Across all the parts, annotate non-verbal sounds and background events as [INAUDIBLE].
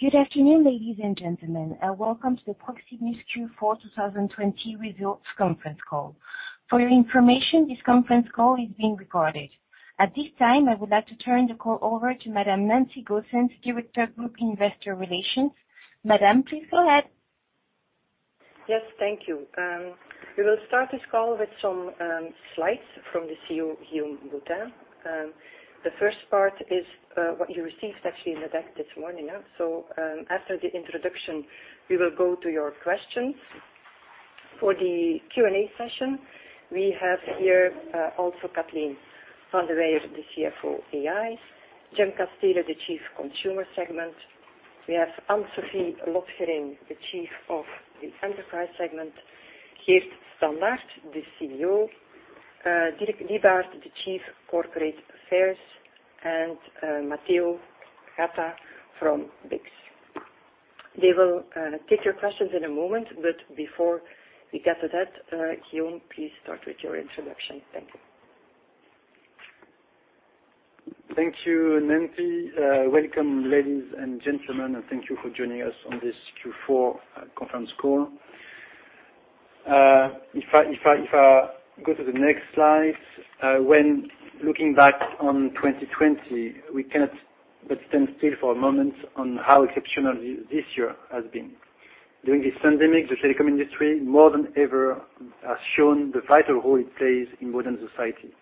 Good afternoon, ladies and gentlemen, and welcome to the Proximus Q4 2020 Results Conference Call. For your information, this conference call is being recorded. At this time, I would like to turn the call over to Madam Nancy Goossens, Director of Group Investor Relations. Madam, please go ahead. Yes, thank you. We will start this call with some slides from the CEO, Guillaume Boutin. The first part is what you received actually in the deck this morning. After the introduction, we will go to your questions. For the Q&A session, we have here also Katleen Vandeweyer, the CFO [AI], Jim Casteele, the Chief Consumer Segment. We have Anne-Sophie Lotgering, the Chief of the Enterprise Segment. Geert Standaert, the CTO. Dirk Lybaert, the Chief Corporate Affairs, and Matteo Gatta from BICS. They will take your questions in a moment, before we get to that, Guillaume, please start with your introduction. Thank you. Thank you, Nancy. Welcome, ladies and gentlemen, and thank you for joining us on this Q4 conference call. If I go to the next slide. When looking back on 2020, we cannot but stand still for a moment on how exceptional this year has been. During this pandemic, the telecom industry, more than ever, has shown the vital role it plays in modern society.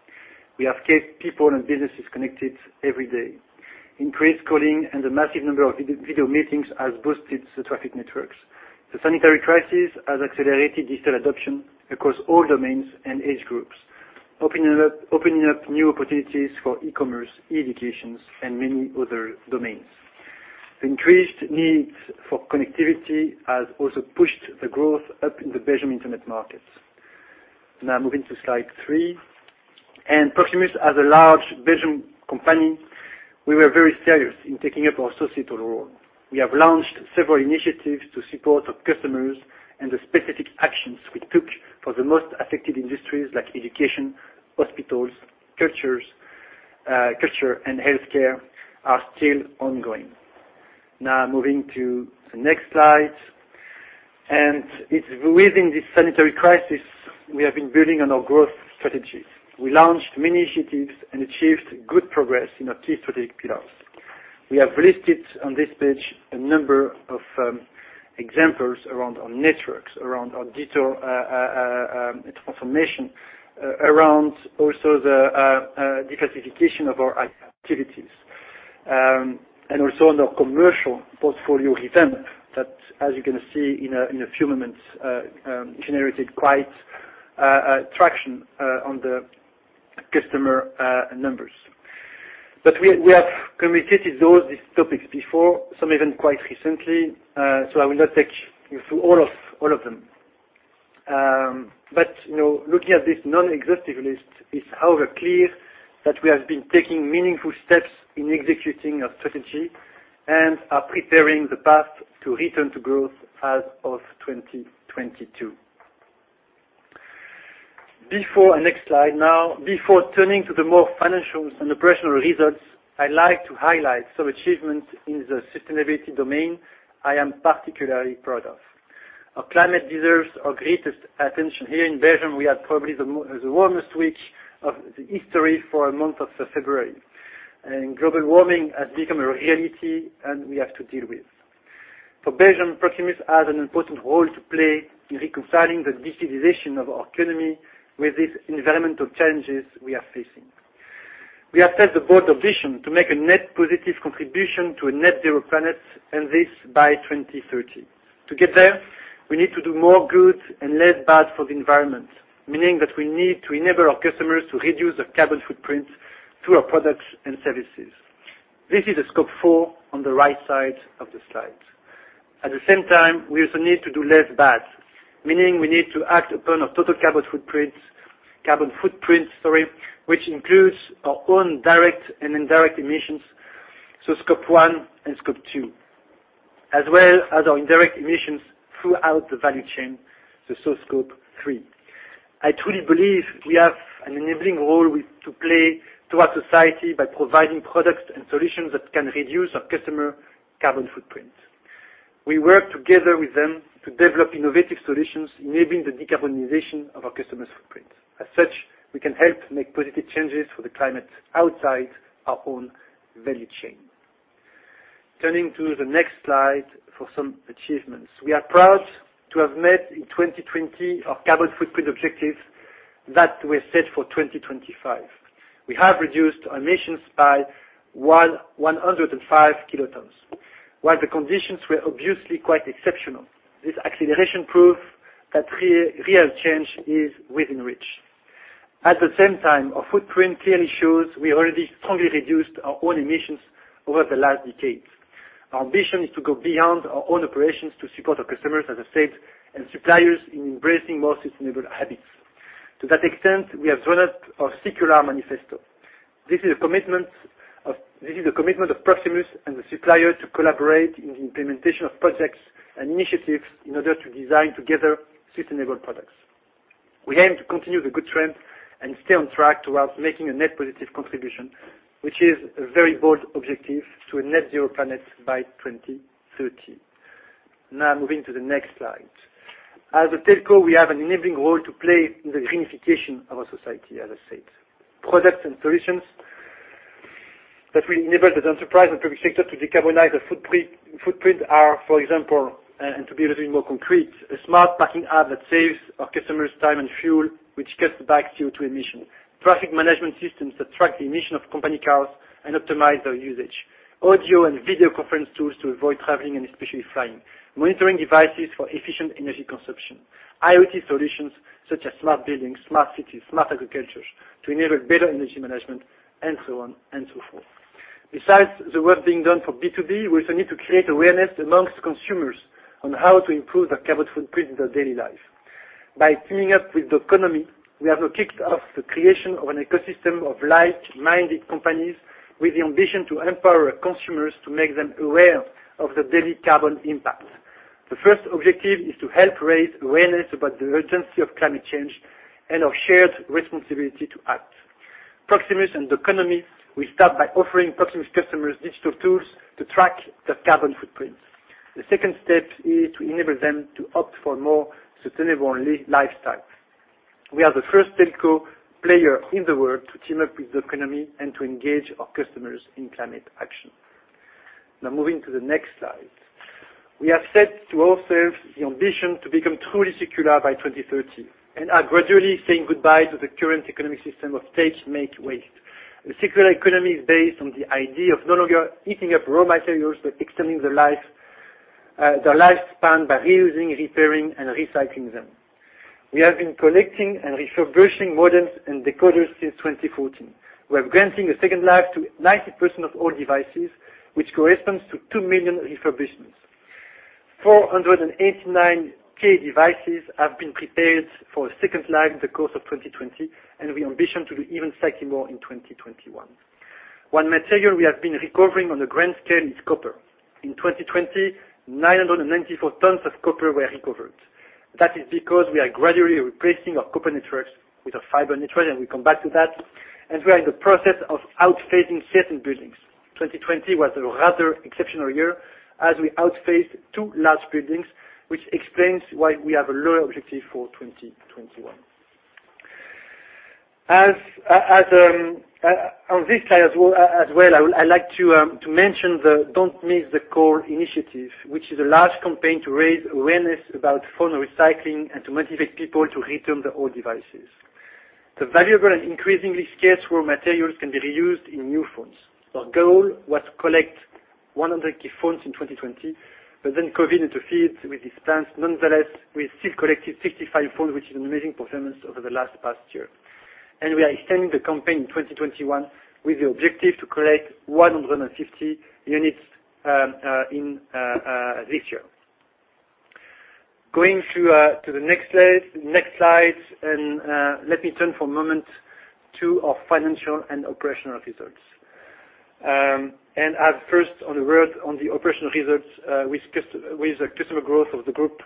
We have kept people and businesses connected every day. Increased calling and the massive number of video meetings has boosted the traffic networks. The sanitary crisis has accelerated digital adoption across all domains and age groups, opening up new opportunities for e-commerce, e-educations, and many other domains. The increased needs for connectivity has also pushed the growth up in the Belgian internet markets. Moving to slide three. Proximus, as a large Belgian company, we were very serious in taking up our societal role. We have launched several initiatives to support our customers, and the specific actions we took for the most affected industries like education, hospitals, culture, and healthcare, are still ongoing. Now moving to the next slide. It's within this sanitary crisis we have been building on our growth strategies. We launched many initiatives and achieved good progress in our key strategic pillars. We have listed on this page a number of examples around our networks, around our digital transformation, around also the diversification of our activities. Also on our commercial portfolio return that, as you're going to see in a few moments, generated quite a traction on the customer numbers. We have communicated those topics before, some even quite recently, so I will not take you through all of them. Looking at this non-exhaustive list is however clear that we have been taking meaningful steps in executing our strategy and are preparing the path to return to growth as of 2022. Before our next slide now, before turning to the more financial and operational results, I'd like to highlight some achievements in the sustainability domain I am particularly proud of. Our climate deserves our greatest attention. Here in Belgium, we had probably the warmest week of the history for a month of February. Global warming has become a reality and we have to deal with. For Belgium, Proximus has an important role to play in reconciling the digitization of our economy with these environmental challenges we are facing. We have set the bold vision to make a net positive contribution to a net zero planet, and this by 2030. To get there, we need to do more good and less bad for the environment, meaning that we need to enable our customers to reduce their carbon footprint through our products and services. This is the Scope 4 on the right side of the slide. At the same time, we also need to do less bad, meaning we need to act upon our total carbon footprint, which includes our own direct and indirect emissions, so Scope 1 and Scope 2, as well as our indirect emissions throughout the value chain, so Scope 3. I truly believe we have an enabling role to play to our society by providing products and solutions that can reduce our customer carbon footprint. We work together with them to develop innovative solutions enabling the decarbonization of our customers' footprint. As such, we can help make positive changes for the climate outside our own value chain. Turning to the next slide for some achievements. We are proud to have met in 2020 our carbon footprint objective that we set for 2025. We have reduced our emissions by 105 kilotons. While the conditions were obviously quite exceptional, this acceleration proves that real change is within reach. At the same time, our footprint clearly shows we already strongly reduced our own emissions over the last decade. Our ambition is to go beyond our own operations to support our customers, as I said, and suppliers in embracing more sustainable habits. To that extent, we have drawn up our circular manifesto. This is a commitment of Proximus and the supplier to collaborate in the implementation of projects and initiatives in order to design together sustainable products. We aim to continue the good trend and stay on track towards making a net positive contribution, which is a very bold objective to a net zero planet by 2030. Now moving to the next slide. As a telco, we have an enabling role to play in the [unification] of our society, as I said. Products and solutions that will enable the enterprise and public sector to decarbonize their footprint are, for example, and to be a little bit more concrete, a smart parking app that saves our customers time and fuel, which cuts back CO2 emission. Traffic management systems that track the emission of company cars and optimize their usage. Audio and video conference tools to avoid traveling and especially flying. Monitoring devices for efficient energy consumption. IoT solutions such as smart buildings, smart cities, smart agricultures to enable better energy management and so on and so forth. Besides the work being done for B2B, we also need to create awareness amongst consumers on how to improve their carbon footprint in their daily life. By teaming up with Doconomy, we have kicked off the creation of an ecosystem of like-minded companies with the ambition to empower our consumers to make them aware of their daily carbon impact. The first objective is to help raise awareness about the urgency of climate change and our shared responsibility to act. Proximus and Doconomy will start by offering Proximus customers digital tools to track their carbon footprint. The second step is to enable them to opt for more sustainable lifestyle. We are the first telco player in the world to team up with Doconomy and to engage our customers in climate action. Now moving to the next slide. We have set to ourselves the ambition to become truly circular by 2030, and are gradually saying goodbye to the current economic system of take, make, waste. The circular economy is based on the idea of no longer eating up raw materials, but extending their lifespan by reusing, repairing, and recycling them. We have been collecting and refurbishing modems and decoders since 2014. We are granting a second life to 90% of all devices, which corresponds to 2 million refurbishments. 489,000 devices have been prepared for a second life in the course of 2020, and we ambition to do even slightly more in 2021. One material we have been recovering on a grand scale is copper. In 2020, 994 tons of copper were recovered. That is because we are gradually replacing our copper networks with our fiber network, and we'll come back to that, and we are in the process of outphasing certain buildings. 2020 was a rather exceptional year as we outphased two large buildings, which explains why we have a lower objective for 2021. On this slide as well, I'd like to mention the Don't Miss the Call initiative, which is a large campaign to raise awareness about phone recycling and to motivate people to return their old devices. The valuable and increasingly scarce raw materials can be reused in new phones. Our goal was to collect 100,000 phones in 2020, but then COVID interfered with these plans. Nonetheless, we still collected 65,000 phones, which is an amazing performance over the last past year. We are extending the campaign in 2021 with the objective to collect 150,000 units this year. Going through to the next slide, let me turn for a moment to our financial and operational results. At first, on the operational results with the customer growth of the group,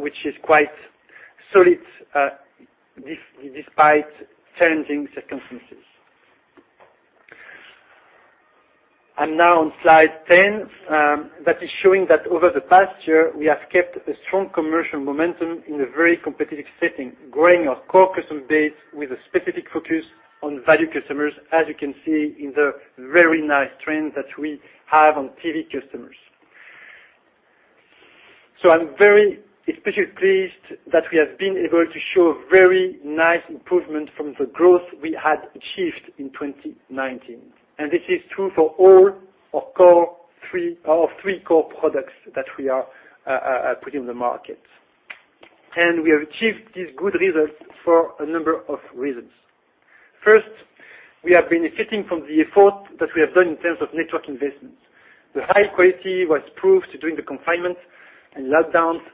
which is quite solid despite challenging circumstances. Now on slide 10, that is showing that over the past year, we have kept a strong commercial momentum in a very competitive setting, growing our core customer base with a specific focus on value customers, as you can see in the very nice trend that we have on TV customers. I'm very especially pleased that we have been able to show a very nice improvement from the growth we had achieved in 2019. This is true for all our three core products that we are putting on the market. We have achieved these good results for a number of reasons. First, we are benefiting from the effort that we have done in terms of network investments. The high quality was proved during the confinement and lockdowns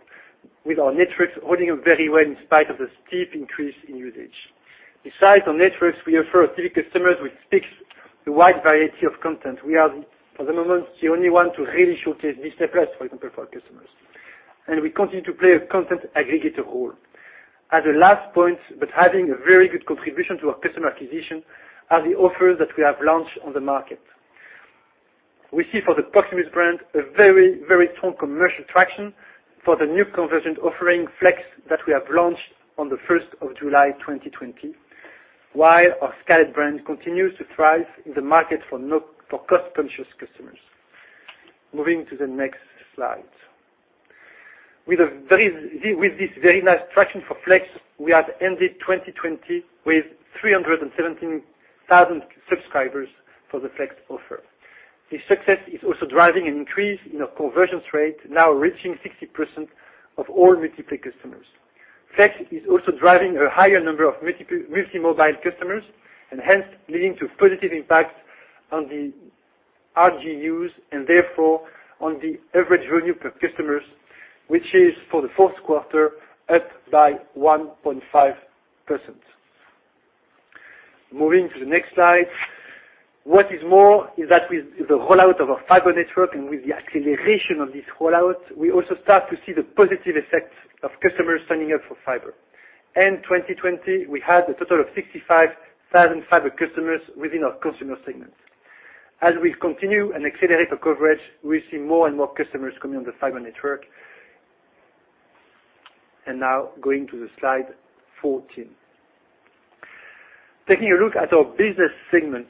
with our networks holding up very well in spite of the steep increase in usage. Besides our networks, we offer our TV customers which speaks a wide variety of content. We are, for the moment, the only one to really showcase Disney+, for example, for our customers. We continue to play a content aggregator role. As a last point, but having a very good contribution to our customer acquisition, are the offers that we have launched on the market. We see for the Proximus brand, a very strong commercial traction for the new convergent offering, Flex, that we have launched on the 1st of July 2020, while our Scarlet brand continues to thrive in the market for cost-conscious customers. Moving to the next slide. With this very nice traction for Flex, we have ended 2020 with 317,000 subscribers for the Flex offer. This success is also driving an increase in our conversion rate, now reaching 60% of all multi-play customers. Flex is also driving a higher number of multi-mobile customers, and hence leading to positive impact on the RGUs, and therefore on the average revenue per customers, which is for the fourth quarter, up by 1.5%. Moving to the next slide. What is more, is that with the rollout of our fiber network and with the acceleration of this rollout, we also start to see the positive effect of customers signing up for fiber. End 2020, we had a total of 65,000 fiber customers within our consumer segments. As we continue and accelerate the coverage, we see more and more customers coming on the fiber network. Now going to slide 14. Taking a look at our business segment.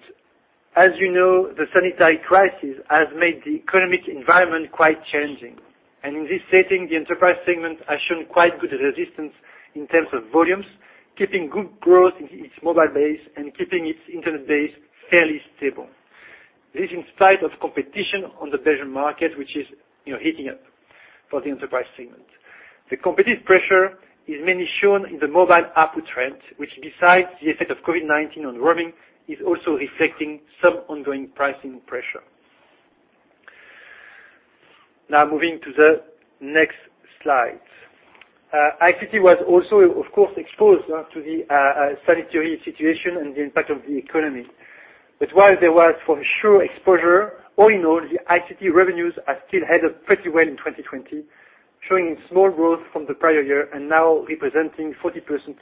As you know, the sanitary crisis has made the economic environment quite challenging. In this setting, the enterprise segment has shown quite good resistance in terms of volumes, keeping good growth in its mobile base and keeping its internet base fairly stable. This in spite of competition on the Belgian market, which is heating up for the enterprise segment. The competitive pressure is mainly shown in the mobile ARPU trend, which besides the effect of COVID-19 on roaming, is also reflecting some ongoing pricing pressure. Moving to the next slide. ICT was also, of course, exposed to the sanitary situation and the impact of the economy. While there was for sure exposure, all in all, the ICT revenues are still headed pretty well in 2020, showing small growth from the prior year and now representing 40%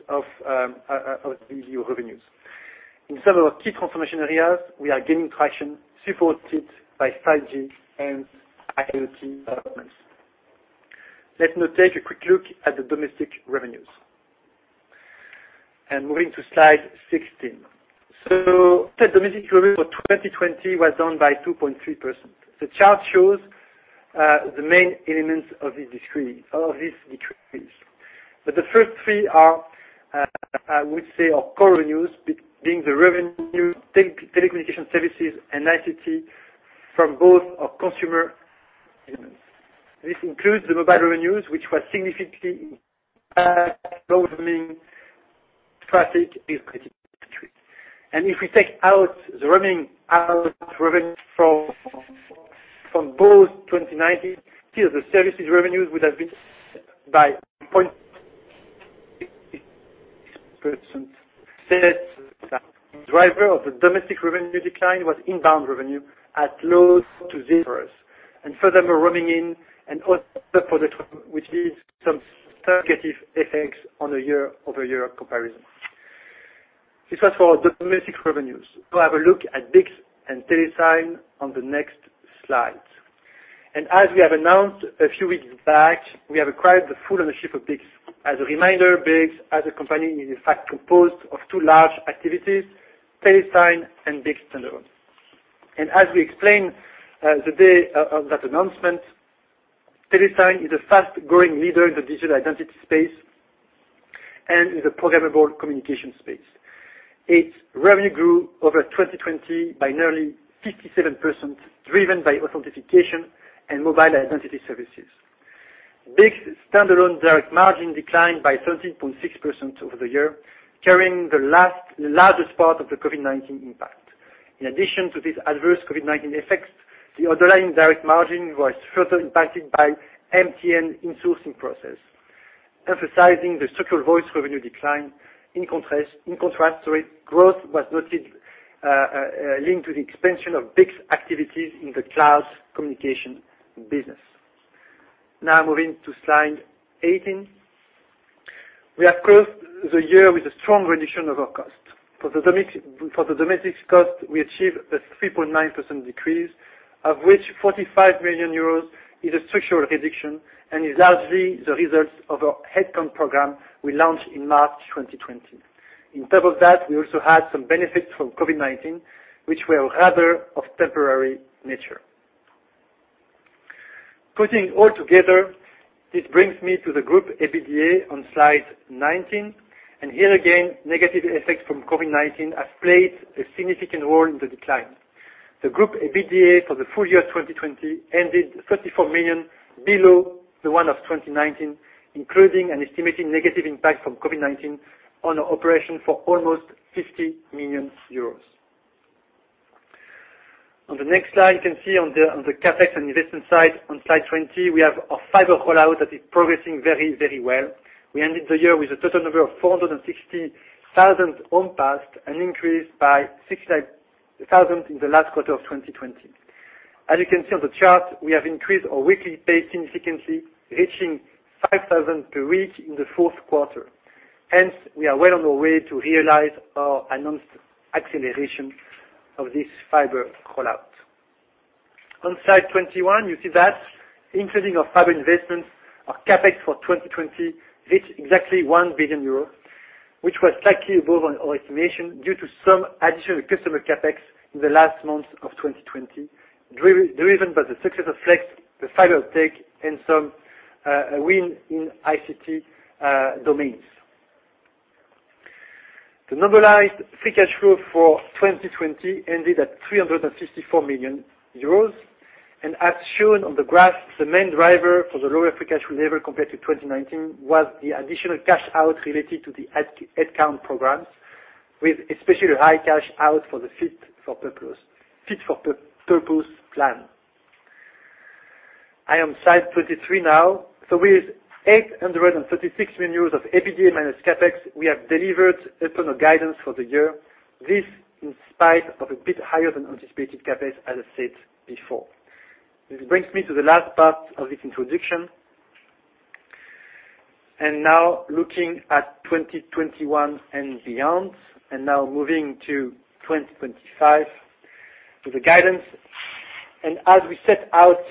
of the group revenues. In some of our key transformation areas, we are gaining traction supported by 5G and IoT developments. Let's now take a quick look at the domestic revenues. Moving to slide 16. Total domestic revenue for 2020 was down by 2.3%. The chart shows the main elements of this decrease. The first three are, I would say our core revenues, being the revenue, telecommunication services, and ICT from both our consumer and. [AUDIO DISTORTION] This includes the mobile revenues, which were significantly impacted by lower roaming traffic and price increases. If we take out the roaming out revenue from both 2019, still the services revenues would have decreased by 0.6%. [AUDIO DISTORTION] The net driver of the domestic revenue decline was inbound revenue at low to zero, furthermore, roaming in and other product, which had some substitution effects on a year-over-year comparison. This was for domestic revenues. We'll have a look at BICS and TeleSign on the next slide. As we have announced a few weeks back, we have acquired the full ownership of BICS. As a reminder, BICS as a company is in fact composed of two large activities, TeleSign and BICS standalone. As we explained the day of that announcement, TeleSign is a fast-growing leader in the digital identity space and in the programmable communication space. Its revenue grew over 2020 by nearly 57%, driven by authentication and mobile identity services. BICS standalone direct margin declined by 13.6% over the year, carrying the largest part of the COVID-19 impact. In addition to these adverse COVID-19 effects, the underlying direct margin was further impacted by MTN insourcing process, emphasizing the structural voice revenue decline. In contrast, growth was noted linked to the expansion of BICS activities in the cloud communication business. Moving to slide 18. We have closed the year with a strong reduction of our cost. For the domestic cost, we achieved a 3.9% decrease, of which 45 million euros is a structural reduction and is largely the results of our headcount program we launched in March 2020. On top of that, we also had some benefits from COVID-19, which were rather of temporary nature. Putting it all together, this brings me to the group EBITDA on slide 19. Here again, negative effects from COVID-19 have played a significant role in the decline. The group EBITDA for the full year 2020 ended 34 million below the one of 2019, including an estimated negative impact from COVID-19 on our operation for almost 50 million euros. On the next slide, you can see on the CapEx and investment side on slide 20, we have our fiber rollout that is progressing very well. We ended the year with a total number of 460,000 homes passed, an increase by 69,000 in the last quarter of 2020. As you can see on the chart, we have increased our weekly pace significantly, reaching 5,000 per week in the fourth quarter. Hence, we are well on our way to realize our announced acceleration of this fiber rollout. On slide 21, you see that increasing our fiber investments, our CapEx for 2020 reached exactly 1 billion euros, which was slightly above our estimation due to some additional customer CapEx in the last months of 2020, driven by the success of Flex, the fiber uptake, and some win in ICT domains. The normalized free cash flow for 2020 ended at 364 million euros. As shown on the graph, the main driver for the lower free cash flow level compared to 2019 was the additional cash out related to the headcount programs with especially high cash out for the Fit for Purpose plan. I am slide 23 now. With 836 million euros of EBITDA minus CapEx, we have delivered upon our guidance for the year. This in spite of a bit higher than anticipated CapEx as I said before. This brings me to the last part of this introduction. Now looking at 2021 and beyond, now moving to 2025 with the guidance. As we set out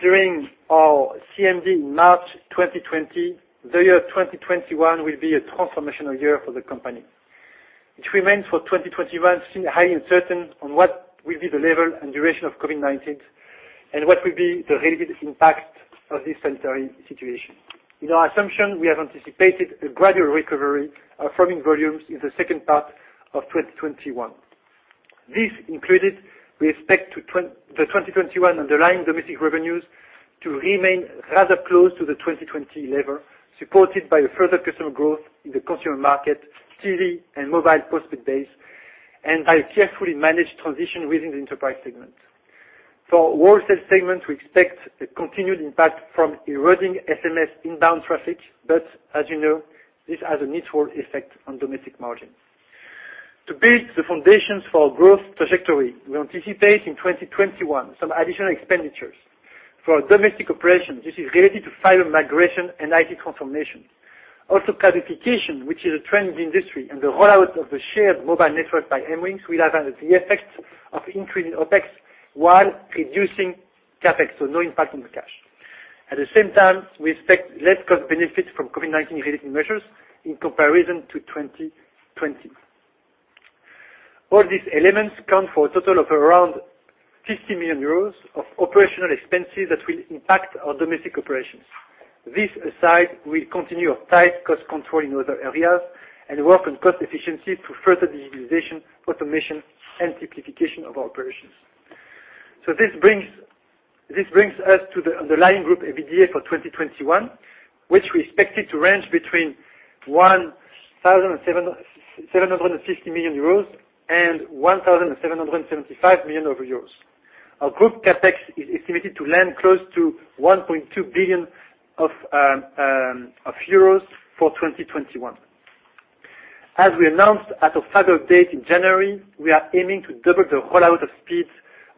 during our CMD in March 2020, the year 2021 will be a transformational year for the company. It remains for 2021 still highly uncertain on what will be the level and duration of COVID-19, and what will be the related impact of this sanitary situation. In our assumption, we have anticipated a gradual recovery of roaming volumes in the second part of 2021. This included, we expect the 2021 underlying domestic revenues to remain rather close to the 2020 level, supported by a further customer growth in the consumer market, TV and mobile postpaid base, and a carefully managed transition within the enterprise segment. For wholesale segment, we expect a continued impact from eroding SMS inbound traffic, but as you know, this has a neutral effect on domestic margins. To build the foundations for our growth trajectory, we anticipate in 2021 some additional expenditures. For our domestic operations, this is related to fiber migration and IT transformations. Also cloudification, which is a trend in the industry, and the rollout of the shared mobile network by MWingz will have a clear effect of increasing OpEx while reducing CapEx, so no impact on the cash. At the same time, we expect less cost benefit from COVID-19 related measures in comparison to 2020. All these elements count for a total of around 50 million euros of operational expenses that will impact our domestic operations. This aside, we continue our tight cost control in other areas and work on cost efficiency to further the digitization, automation and simplification of our operations. This brings us to the underlying group EBITDA for 2021, which we expect it to range between 1,750 million euros and 1,775 million euros. Our group CapEx is estimated to land close to 1.2 billion for 2021. As we announced at our fiber update in January, we are aiming to double the rollout of speeds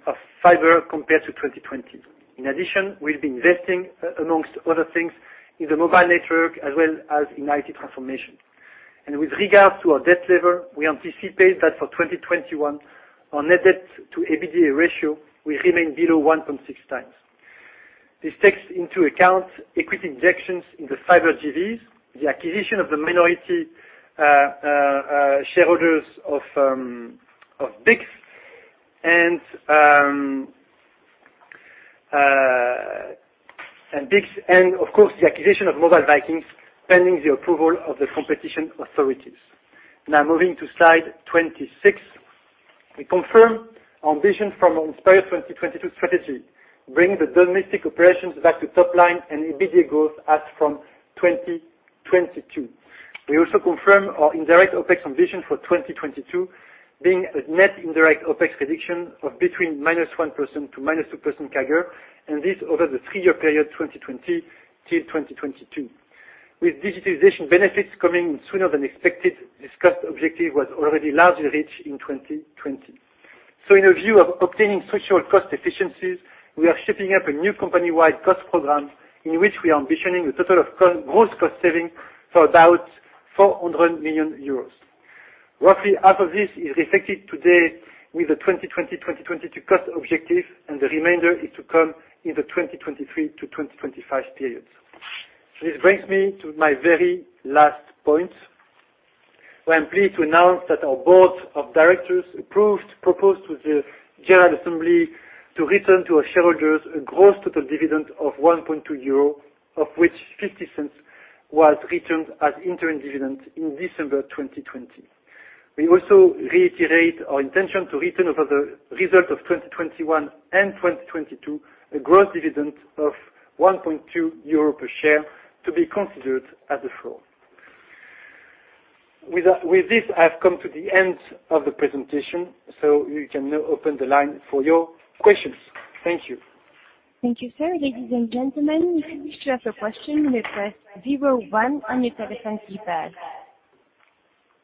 of fiber compared to 2020. In addition, we will be investing, amongst other things, in the mobile network as well as in IT transformation. With regards to our debt level, we anticipate that for 2021, our net debt to EBITDA ratio will remain below 1.6x. This takes into account equity injections in the fiber JVs, the acquisition of the minority shareholders of BICS and of course, the acquisition of Mobile Vikings, pending the approval of the competition authorities. Now moving to slide 26. We confirm our ambition from our Inspire 2022 strategy, bring the domestic operations back to top line and EBITDA growth as from 2022. We also confirm our indirect OpEx ambition for 2022, being a net indirect OpEx reduction of between -1% to -2% CAGR, and this over the three-year period 2020-2022. With digitization benefits coming sooner than expected, this cost objective was already largely reached in 2020. In a view of obtaining structural cost efficiencies, we are shaping up a new company-wide cost program in which we are ambitioning a total of gross cost saving for about 400 million euros. Roughly half of this is reflected today with the 2020, 2022 cost objective, and the remainder is to come in the 2023 to 2025 periods. This brings me to my very last point, where I'm pleased to announce that our Board of Directors approved, proposed to the General Assembly to return to our shareholders a gross total dividend of 1.2 euro, of which 0.50 was returned as interim dividend in December 2020. We also reiterate our intention to return over the result of 2021 and 2022, a gross dividend of 1.2 euro per share to be considered at the floor. With this, I've come to the end of the presentation, so you can now open the line for your questions. Thank you. Thank you, sir. Ladies and gentlemen, if you wish to ask a question, you may press zero one on your telephone keypad.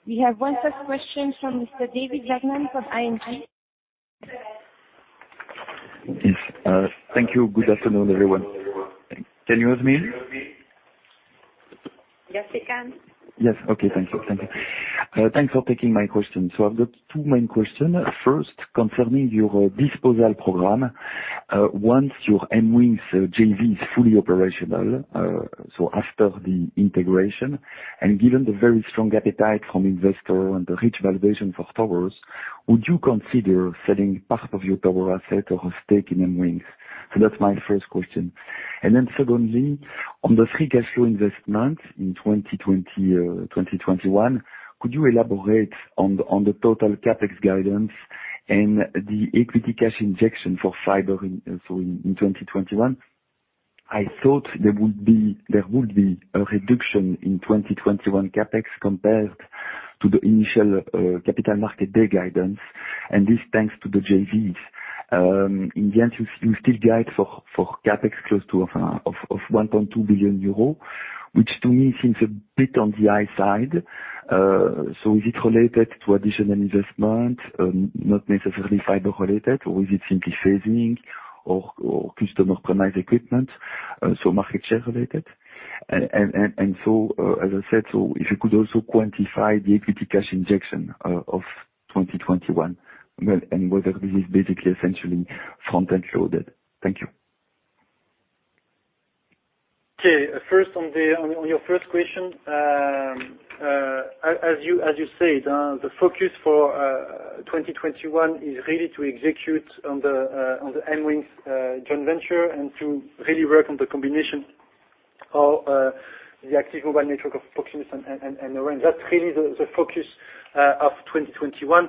We have one such question from Mr. David Vagman from ING. Yes. Thank you. Good afternoon, everyone. Can you hear me? Yes, we can. Yes. Okay. Thank you. Thanks for taking my question. I've got two main questions. First, concerning your disposal program. Once your MWingz JV is fully operational, so after the integration, and given the very strong appetite from investor and the rich valuation for towers, would you consider selling part of your tower asset or a stake in MWingz? That's my first question. Secondly, on the free cash flow investment in 2020, 2021, could you elaborate on the total CapEx guidance and the equity cash injection for fiber in 2021? I thought there would be a reduction in 2021 CapEx compared to the initial Capital Market Day guidance, and this thanks to the JVs. In the end, you still guide for CapEx close to 1.2 billion euro, which to me seems a bit on the high side. Is it related to additional investment, not necessarily fiber-related, or is it simply phasing or customer premise equipment, so market share related? As I said, if you could also quantify the equity cash injection of 2021 and whether this is basically essentially front-end loaded. Thank you. On your first question, as you said, the focus for 2021 is really to execute on the MWingz joint venture and to really work on the combination of the active mobile network of Proximus and Orange. That's really the focus of 2021.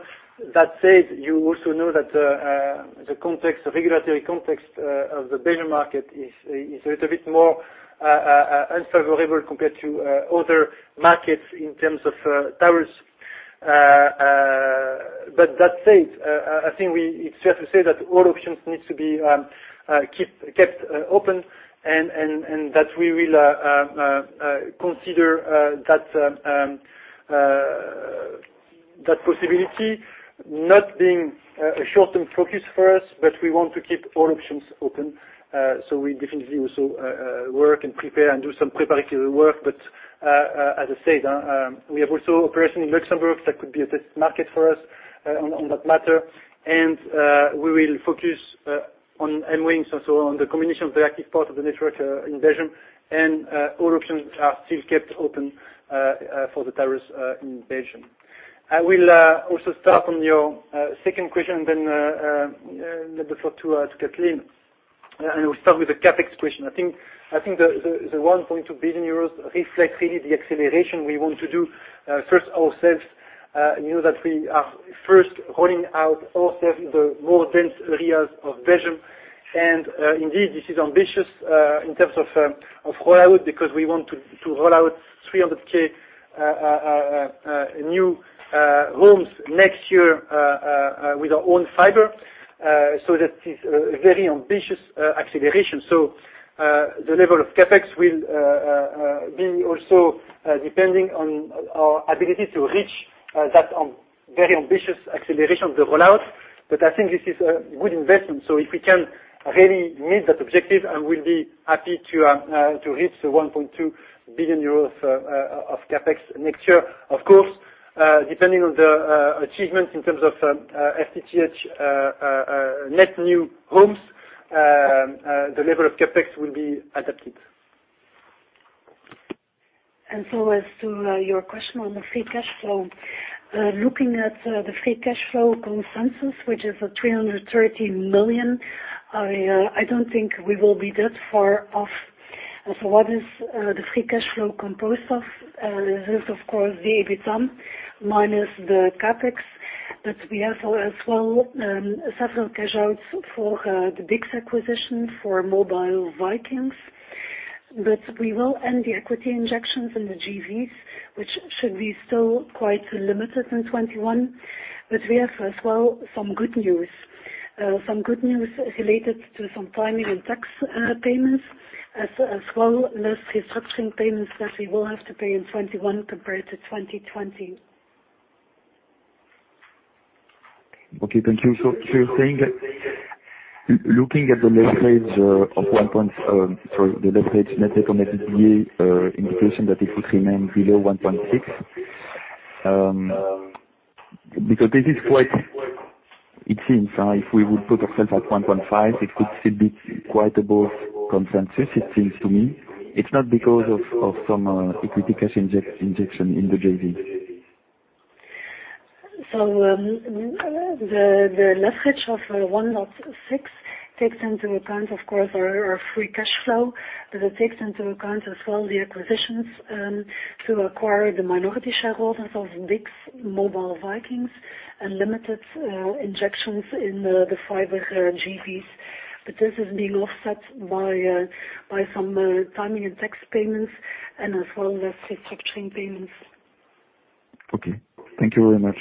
That said, you also know that the regulatory context of the Belgian market is a little bit more unfavorable compared to other markets in terms of towers. That said, I think it's fair to say that all options needs to be kept open and that we will consider that possibility not being a short-term focus for us, but we want to keep all options open. We definitely also work and prepare and do some preparatory work. As I said, we have also operation in Luxembourg that could be a test market for us, on that matter. We will focus on MWingz, so on the combination of the active part of the network in Belgium and all options are still kept open for the towers in Belgium. I will also start on your second question, then the floor to Katleen. We will start with the CapEx question. I think the 1.2 billion euros reflects really the acceleration we want to do, first ourselves. You know that we are first rolling out ourselves the more dense areas of Belgium. Indeed, this is ambitious in terms of rollout because we want to roll out 300,000 new rooms next year with our own fiber. That is a very ambitious acceleration. The level of CapEx will be also depending on our ability to reach that very ambitious acceleration of the rollout. I think this is a good investment. If we can really meet that objective and we'll be happy to reach the 1.2 billion euros of CapEx next year. Of course, depending on the achievements in terms of FTTH net new homes, the level of CapEx will be adapted. As to your question on the free cash flow. Looking at the free cash flow consensus, which is 330 million, I don't think we will be that far off. What is the free cash flow composed of? This is of course, the EBITDA minus the CapEx. We have as well several cash outs for the BICS acquisition for Mobile Vikings. We will end the equity injections in the JVs, which should be still quite limited in 2021. We have as well some good news. Some good news related to some timing and tax payments as well less restructuring payments that we will have to pay in 2021 compared to 2020. Okay. Thank you. You're saying that looking at the left page net economic EBITDA indication that it would remain below 1.6x. This is quite, it seems if we would put ourselves at 1.5x, it could still be quite above consensus, it seems to me. It's not because of some equity cash injection in the JV. The left edge of 1.6x takes into account of course our free cash flow, but it takes into account as well the acquisitions, to acquire the minority shareholders of BICS, Mobile Vikings and limited injections in the fiber JVs. This is being offset by some timing and tax payments and as well less restructuring payments. Okay. Thank you very much.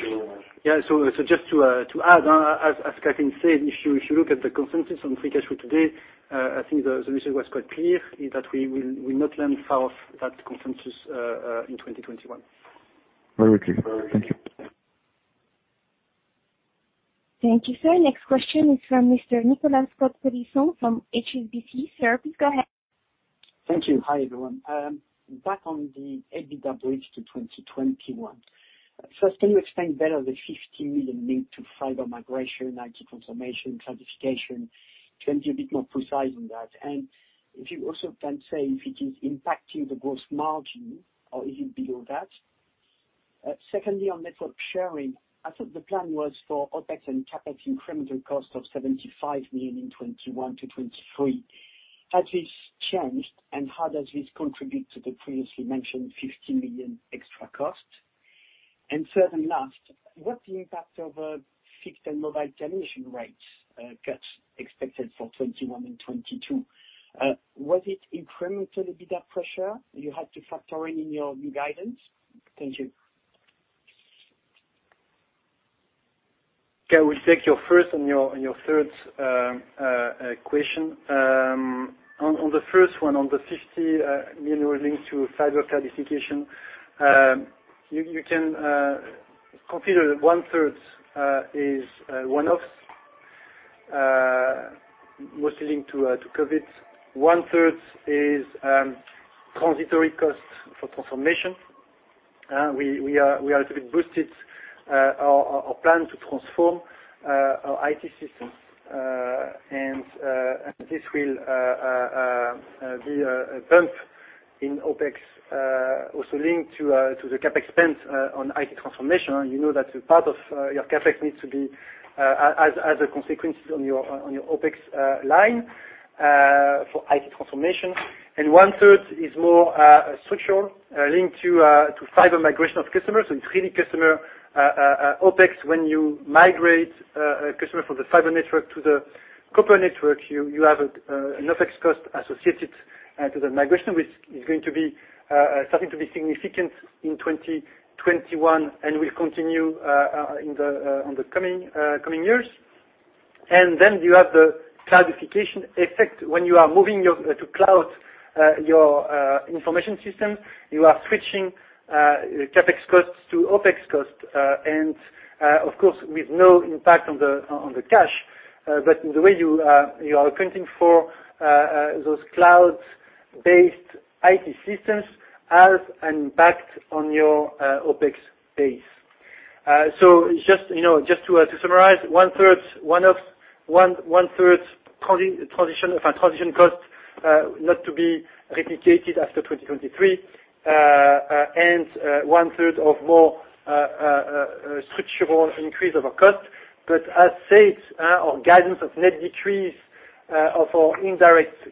Just to add, as Katleen said, if you look at the consensus on free cash flow today, I think the message was quite clear is that we will not land far off that consensus, in 2021. Very clear. Thank you. Thank you, sir. Next question is from Mr. Nicolas Cote-Colisson from HSBC. Sir, please go ahead. Thank you. Hi, everyone. Back on the EBITDA bridge to 2021. First, can you explain better the 50 million linked to fiber migration, IT transformation, cloudification? Can you be a bit more precise on that? If you also can say if it is impacting the gross margin or is it below that? Secondly, on network sharing, I thought the plan was for OpEx and CapEx incremental cost of 75 million in 2021 to 2023. Has this changed and how does this contribute to the previously mentioned 50 million extra cost? Third and last, what's the impact of fixed and mobile termination rates cuts expected for 2021 and 2022? Was it incremental EBITDA pressure you had to factor in your new guidance? Thank you. Okay, we'll take your first and your third question. On the first one, on the 50 million linked to fiber cloudification, you can consider 1/3 is one-offs, mostly linked to COVID. One-third is transitory cost for transformation. We are to be boosted our plan to transform our IT systems, and this will be a bump in OpEx, also linked to the CapEx spend on IT transformation. You know that part of your CapEx needs to be as a consequence on your OpEx line for IT transformation. One-third is more structural, linked to fiber migration of customers. It's really customer OpEx. When you migrate a customer from the fiber network to the copper network, you have an OpEx cost associated to the migration, which is going to be starting to be significant in 2021 and will continue on the coming years. Then you have the cloudification effect. When you are moving to cloud your information system, you are switching CapEx costs to OpEx costs, and of course, with no impact on the cash. The way you are accounting for those cloud-based IT systems has an impact on your OpEx base. Just to summarize, 1/3 transition cost, not to be replicated after 2023. One-third of more structural increase of our cost. As said, our guidance of net decrease of our indirect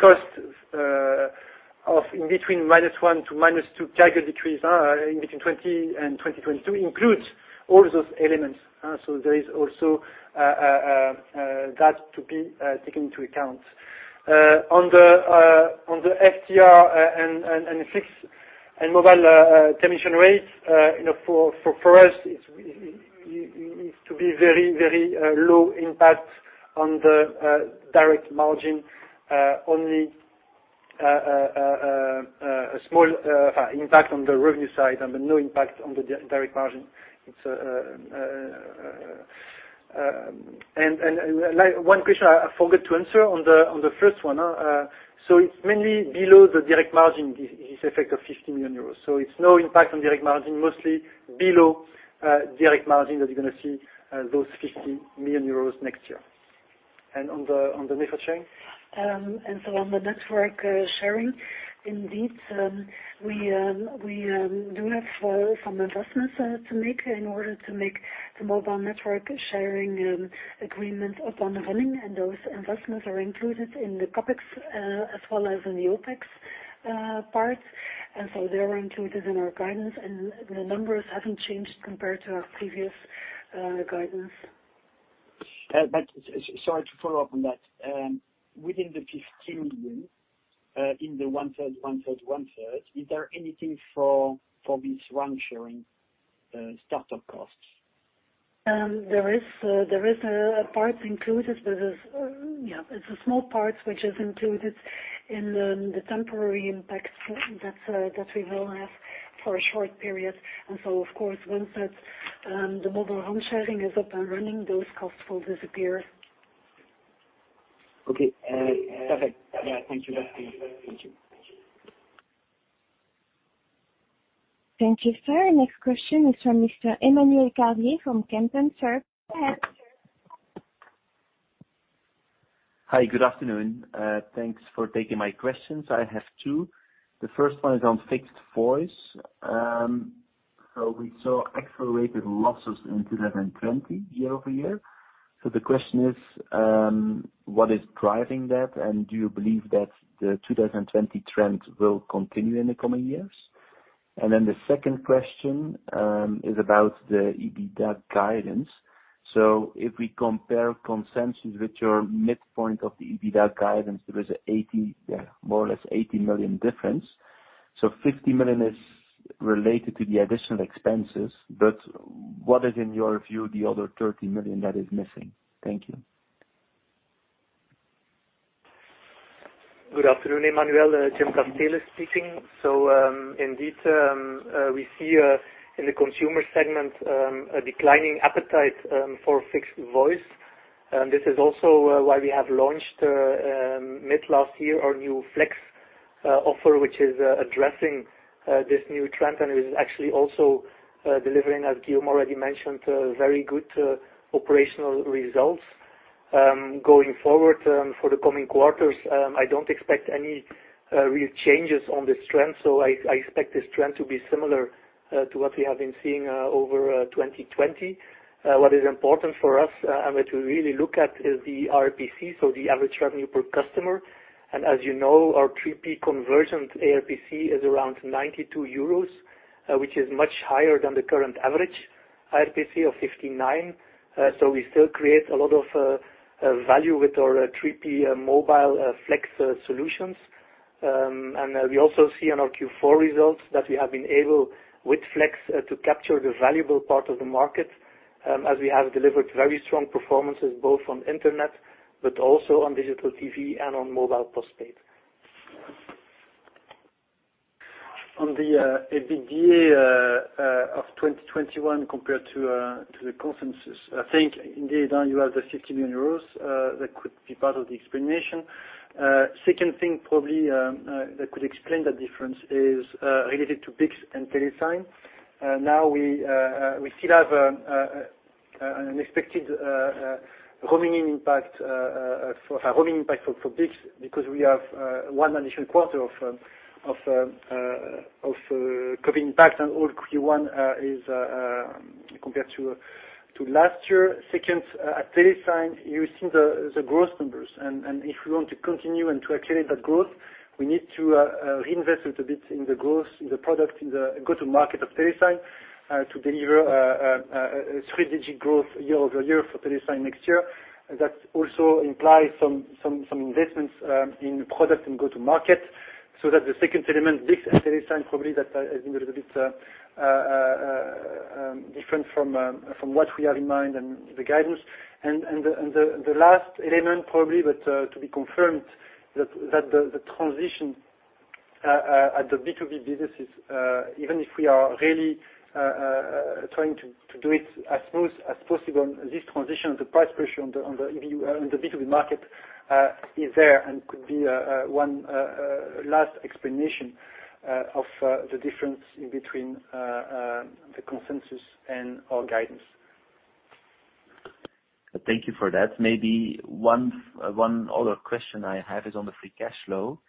cost of between -1% to -2% target decrease are between 2020 and 2022 includes all those elements. There is also that to be taken into account. On the FTR and fixed and mobile termination rates, for us, it needs to be very low impact on the direct margin. Only a small impact on the revenue side and no impact on the direct margin. One question I forgot to answer on the first one. It's mainly below the direct margin, this effect of 50 million euros. It's no impact on direct margin, mostly below direct margin that you're going to see those 50 million euros next year. On the network sharing? On the network sharing, indeed, we do have some investments to make in order to make the mobile network sharing agreement up and running. Those investments are included in the CapEx as well as in the OpEx part. They were included in our guidance, and the numbers haven't changed compared to our previous guidance. Sorry to follow up on that. Within the 50 million, in the 1/3, 1/3, 1/3, is there anything for this one sharing startup costs? There is a part included. It's a small part which is included in the temporary impact that we will have for a short period. Of course, once the MWingz is up and running, those costs will disappear. Okay. Perfect. Thank you, Katleen. Thank you. Thank you, sir. Next question is from Mr. Emmanuel Carlier from Kempen. Sir, go ahead. Hi, good afternoon. Thanks for taking my questions. I have two. The first one is on fixed voice. We saw accelerated losses in 2020 year-over-year. The question is, what is driving that? Do you believe that the 2020 trend will continue in the coming years? The second question is about the EBITDA guidance. If we compare consensus with your midpoint of the EBITDA guidance, there is more or less 80 million difference. 50 million is related to the additional expenses, but what is, in your view, the other 30 million that is missing? Thank you. Good afternoon, Emmanuel. Jim Casteele speaking. Indeed, we see in the consumer segment a declining appetite for fixed voice. This is also why we have launched mid last year our new Flex offer, which is addressing this new trend and is actually also delivering, as Guillaume already mentioned, very good operational results. Going forward for the coming quarters, I don't expect any real changes on this trend. I expect this trend to be similar to what we have been seeing over 2020. What is important for us and what we really look at is the [ARPC], so the average revenue per customer. As you know, our 3P convergent ARPC is around 92 euros, which is much higher than the current average [ARPC] of 59. We still create a lot of value with our 3P mobile Flex solutions. We also see in our Q4 results that we have been able, with Flex, to capture the valuable part of the market as we have delivered very strong performances both on internet, but also on digital TV and on mobile postpaid. On the EBITDA of 2021 compared to the consensus, I think indeed you have the 50 million euros. That could be part of the explanation. Second thing probably that could explain the difference is related to BICS and TeleSign. We still have an expected roaming impact for BICS because we have one additional quarter of COVID impact and all Q1 is compared to last year. At TeleSign, you've seen the growth numbers, and if we want to continue and to accelerate that growth, we need to reinvest a little bit in the growth, in the product, in the go-to-market of TeleSign to deliver a three-digit growth year-over-year for TeleSign next year. That also implies some investments in product and go-to-market, so that the second element, BICS and TeleSign, probably that has been a little bit different from what we have in mind and the guidance. The last element probably, but to be confirmed, that the transition at the B2B businesses, even if we are really trying to do it as smooth as possible, this transition, the price pressure on the B2B market is there and could be one last explanation of the difference in between the consensus and our guidance. Thank you for that. Maybe one other question I have is on the free cash flow.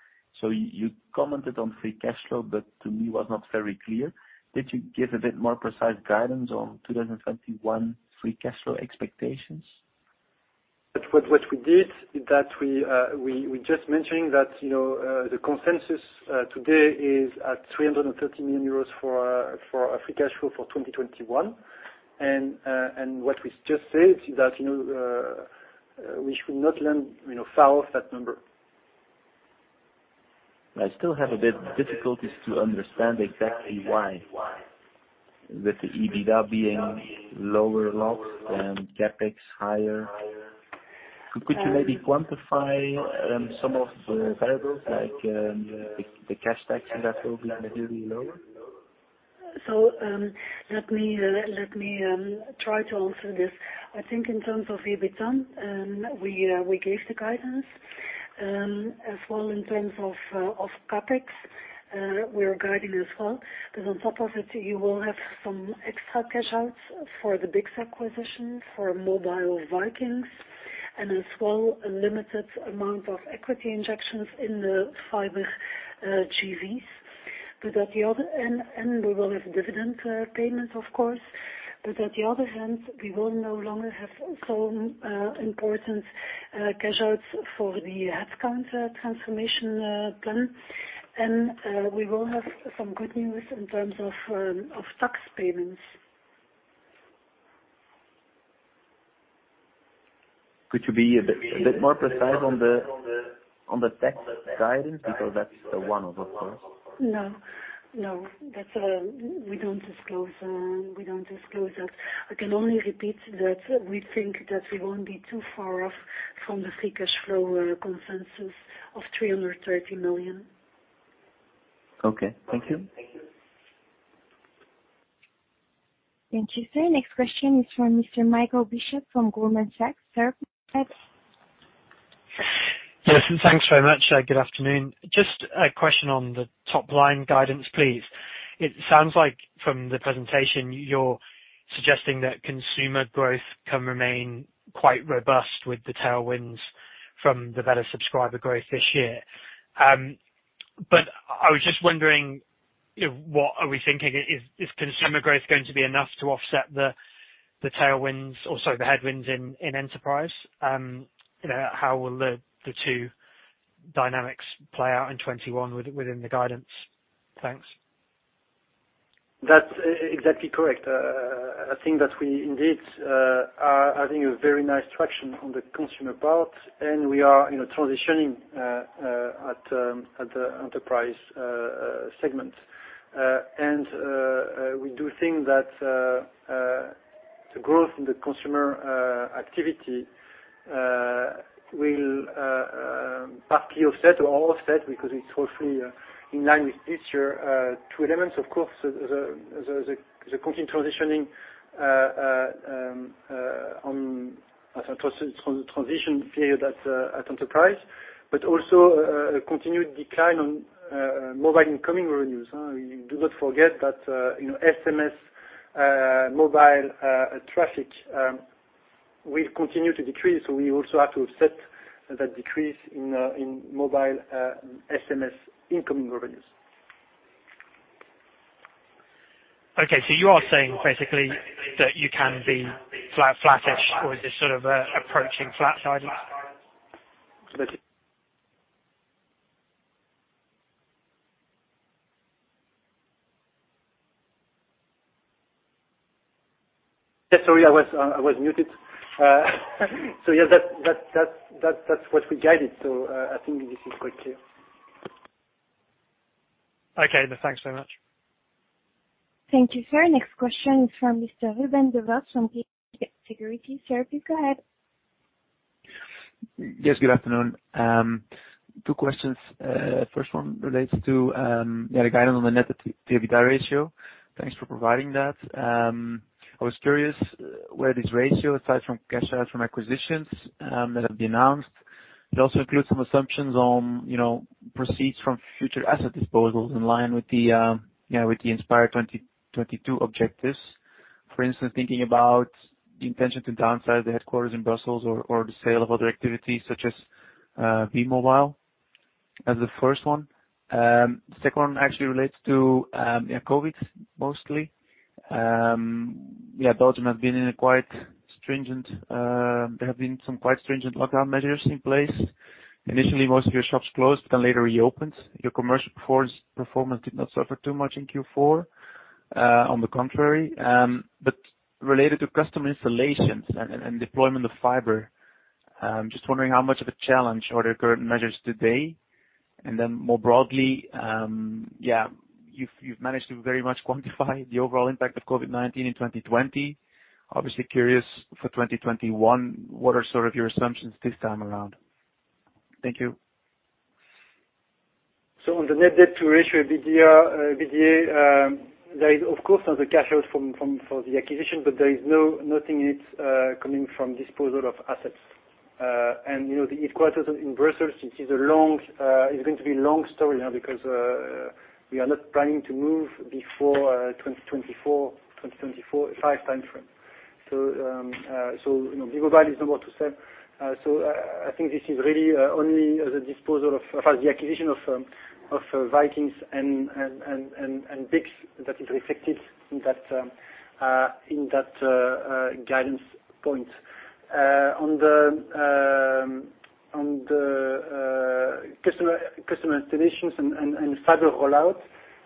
You commented on free cash flow, but to me was not very clear. Did you give a bit more precise guidance on 2021 free cash flow expectations? What we did is that we just mentioned that the consensus today is at 330 million euros for free cash flow for 2021. What we just said is that we should not land far off that number. I still have a bit difficulties to understand exactly why. With the EBITDA being lower loss and CapEx higher, could you maybe quantify some of the variables like the cash taxes that will be materially lower? Let me try to answer this. I think in terms of EBITDA, we gave the guidance. As well in terms of CapEx, we're guiding as well. On top of it, you will have some extra cash outs for the BICS acquisition, for Mobile Vikings, and as well a limited amount of equity injections in the fiber JVs. We will have dividend payments, of course. At the other hand, we will no longer have some important cash outs for the headcount transformation plan. We will have some good news in terms of tax payments. Could you be a bit more precise on the tax guidance? Because that's a one-off, of course. No. We don't disclose that. I can only repeat that we think that we won't be too far off from the free cash flow consensus of 330 million. Okay. Thank you. Thank you, sir. Next question is from Mr. Michael Bishop from Goldman Sachs. Sir. Yes. Thanks very much. Good afternoon. Just a question on the top-line guidance, please. It sounds like from the presentation, you're suggesting that consumer growth can remain quite robust with the tailwinds from the better subscriber growth this year. I was just wondering, what are we thinking, is consumer growth going to be enough to offset the headwinds in enterprise? How will the two dynamics play out in 2021 within the guidance? Thanks. That's exactly correct. I think that we indeed are having a very nice traction on the consumer part, and we are transitioning at the enterprise segment. We do think that the growth in the consumer activity will partly offset or all offset because it's hopefully in line with this year. Two elements, of course, the continued transitioning on transition period at enterprise, but also a continued decline on mobile incoming revenues. You do not forget that SMS mobile traffic will continue to decrease, so we also have to offset that decrease in mobile SMS incoming revenues. Okay, you are saying basically that you can be flattish, or is this sort of approaching flat guidance? Yeah, sorry, I was muted. Yeah, that's what we guided. I think this is quite clear. Okay, thanks very much. Thank you, sir. Next question is from Mr. Ruben Devos from KBC Securities. Sir, please go ahead. Yes, good afternoon. Two questions. First one relates to the guidance on the net debt to EBITDA ratio. Thanks for providing that. I was curious where this ratio, aside from cash out from acquisitions that have been announced, it also includes some assumptions on proceeds from future asset disposals in line with the #inspire2022 objectives. For instance, thinking about the intention to downsize the headquarters in Brussels or the sale of other activities such as Be-Mobile as the first one. The second one actually relates to COVID, mostly. Belgium, there have been some quite stringent lockdown measures in place. Initially, most of your shops closed, then later reopened. Your commercial performance did not suffer too much in Q4, on the contrary. Related to customer installations and deployment of fiber, just wondering how much of a challenge are their current measures today? More broadly, you've managed to very much quantify the overall impact of COVID-19 in 2020. Obviously curious for 2021, what are your assumptions this time around? Thank you. On the net debt to ratio EBITDA, there is of course now the cash out for the acquisition, but there is nothing in it coming from disposal of assets. The headquarters in Brussels, it is going to be a long story now because we are not planning to move before 2024, 2025 timeframe. Be-Mobile is no more to sell. I think this is really only the acquisition of Mobile Vikings and BICS that is reflected in that guidance point. On the customer installations and fiber rollout,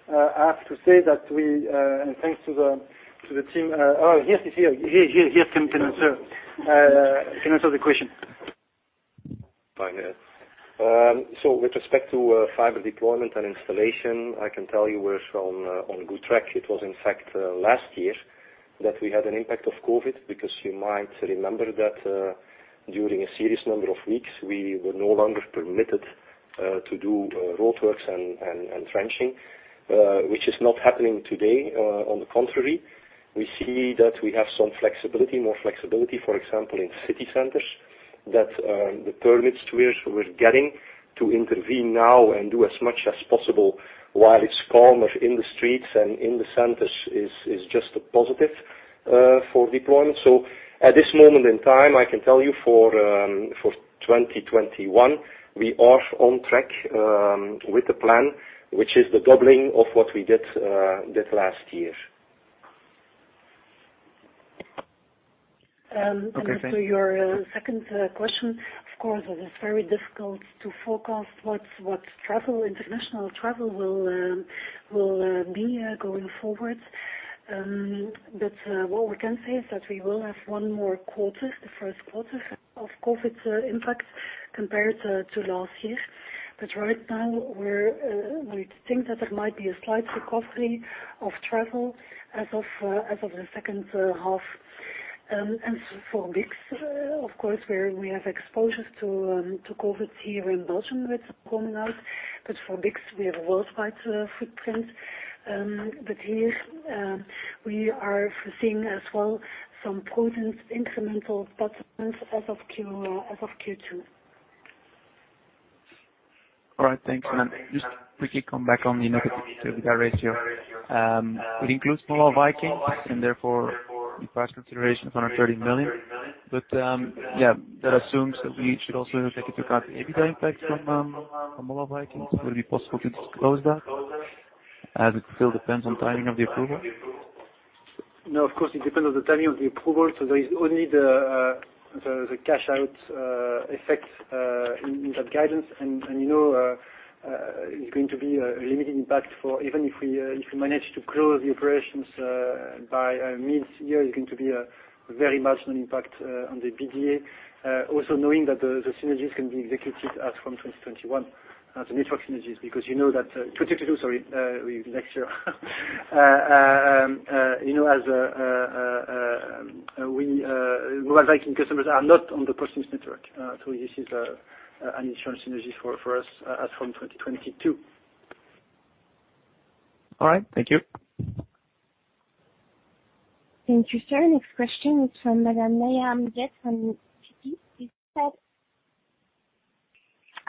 I have to say that we, and thanks to the team. Geert is here, Geert can answer the question. Fine, yeah. With respect to fiber deployment and installation, I can tell you we're on good track. It was in fact last year that we had an impact of COVID, because you might remember that during a serious number of weeks, we were no longer permitted to do roadworks and trenching, which is not happening today. On the contrary, we see that we have more flexibility, for example, in city centers. The permits we're getting to intervene now and do as much as possible while it's calmer in the streets and in the centers is just a positive for deployment. At this moment in time, I can tell you for 2021, we are on track with the plan, which is the doubling of what we did last year. Okay, thanks. To your second question, of course, it is very difficult to forecast what international travel will be going forward. What we can say is that we will have one more quarter, the first quarter of COVID impact compared to last year. Right now, we think that there might be a slight recovery of travel as of the second half. For BICS, of course, we have exposure to COVID here in Belgium that's coming out. For BICS, we have a worldwide footprint. Here, we are foreseeing as well some prudent incremental performance as of Q2. All right. Thanks. Just quickly come back on the net debt to EBITDA ratio. It includes Mobile Vikings, and therefore enterprise consideration of 130 million. Yeah, that assumes that we should also take into account the EBITDA impact from Mobile Vikings. Will it be possible to disclose that as it still depends on timing of the approval? No, of course, it depends on the timing of the approval, so there is only the cash out effect in that guidance. It's going to be a limited impact for even if we manage to close the operations by mid-year, it's going to be a very marginal impact on the EBITDA. Also knowing that the synergies can be executed as from 2021, the network synergies, because you know that 2022, sorry, next year. Mobile Vikings customers are not on the Proximus network. This is an initial synergy for us as from 2022. All right. Thank you. Thank you, sir. Next question is from Madam Nayab Amjad from Citi. Please proceed.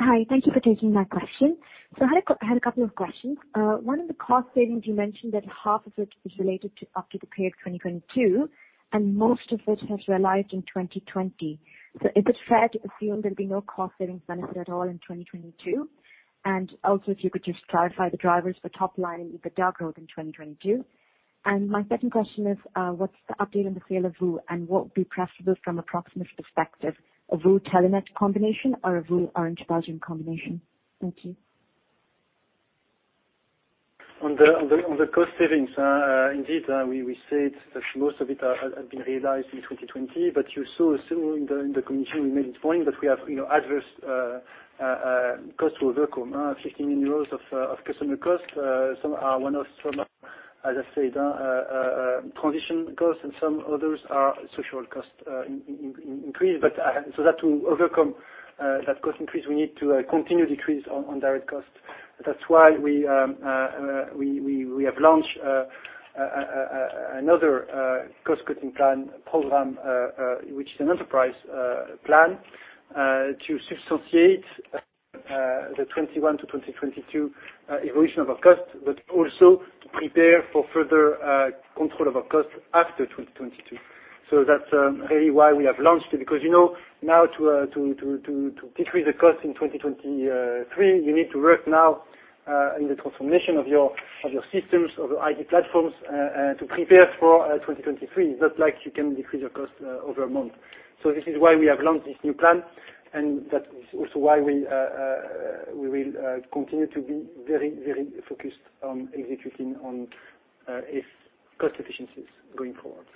Hi, thank you for taking my question. I had two questions. One of the cost savings, you mentioned that half of it is related to up to the period 2022, and most of it has realized in 2020. Is it fair to assume there'll be no cost savings benefit at all in 2022? If you could just clarify the drivers for top line and EBITDA growth in 2022. My second question is, what's the update on the sale of VOO, and what would be preferable from a Proximus perspective, a VOO Telenet combination or a VOO Orange Belgium combination? Thank you. On the cost savings, indeed, we said that most of it had been realized in 2020. You saw similarly in the communication, we made it a point that we have adverse cost to overcome. [50 million euros] of customer cost. Some are one-offs from, as I said, transition costs, and some others are social costs increase. To overcome that cost increase, we need to continue decrease on direct cost. That's why we have launched another cost-cutting plan program, which is an enterprise plan, to substantiate the 2021 to 2022 evolution of our cost, but also to prepare for further control of our cost after 2022. That's really why we have launched it, because now to decrease the cost in 2023, you need to work now in the transformation of your systems, of your IT platforms, to prepare for 2023. It's not like you can decrease your cost over one month. This is why we have launched this new plan, and that is also why we will continue to be very focused on executing on cost efficiencies going forward.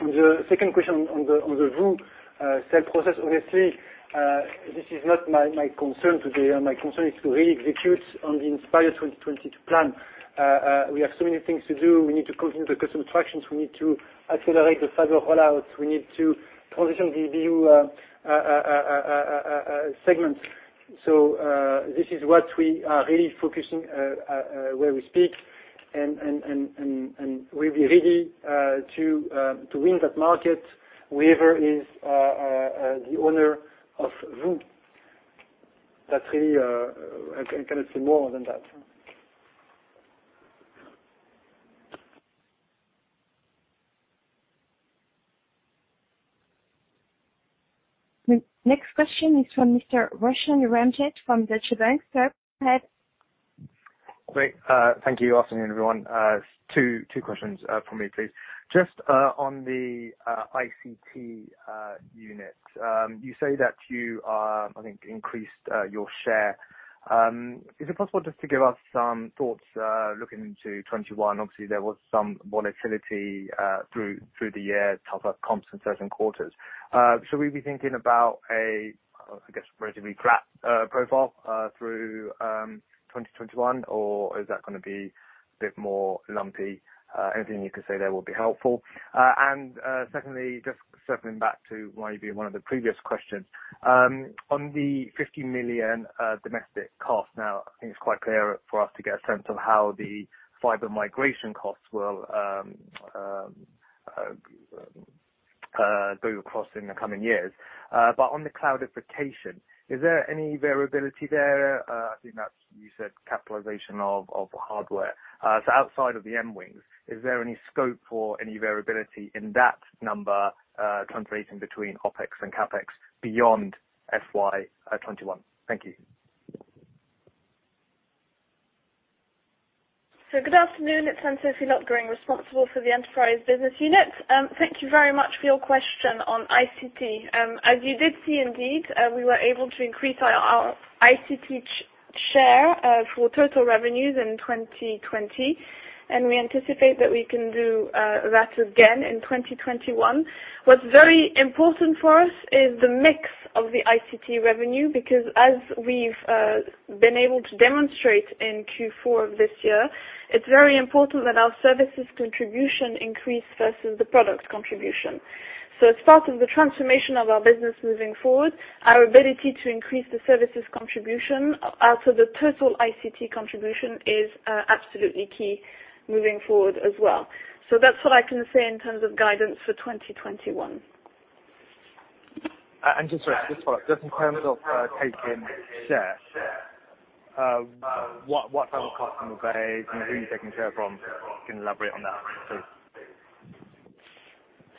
On the second question, on the VOO sale process, honestly, this is not my concern today. My concern is to re-execute on the Inspire 2022 plan. We have so many things to do. We need to continue the customer attractions. We need to accelerate the fiber roll-out. We need to transition the B2C segments. This is what we are really focusing where we speak, and we'll be ready to win that market, whoever is the owner of VOO. I cannot say more than that. The next question is from Mr. Roshan Ranjit from Deutsche Bank. Sir, go ahead. Great. Thank you. Afternoon, everyone. Two questions from me, please. Just on the ICT unit. You say that you, I think, increased your share. Is it possible just to give us some thoughts looking into 2021? Obviously, there was some volatility through the year, tougher comps in certain quarters. Should we be thinking about a, I guess, relatively flat profile through 2021? Is that going to be a bit more lumpy? Anything you can say there will be helpful. Secondly, just circling back to maybe one of the previous questions. On the 50 million domestic cost now, I think it's quite clear for us to get a sense of how the fiber migration costs will go across in the coming years. On the cloudification, is there any variability there? I think that you said capitalization of the hardware. Outside of the MWingz, is there any scope for any variability in that number translating between OpEx and CapEx beyond FY 2021? Thank you. Good afternoon. It's Anne-Sophie Lotgering, responsible for the enterprise business unit. Thank you very much for your question on ICT. As you did see, indeed, we were able to increase our ICT share for total revenues in 2020, and we anticipate that we can do that again in 2021. What's very important for us is the mix of the ICT revenue, because as we've been able to demonstrate in Q4 of this year, it's very important that our services contribution increase versus the product contribution. As part of the transformation of our business moving forward, our ability to increase the services contribution out of the total ICT contribution is absolutely key moving forward as well. That's what I can say in terms of guidance for 2021. Just sorry, just to follow up. Just in terms of taking share. What type of customer base and who are you taking share from? If you can elaborate on that, please.